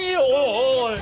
おい。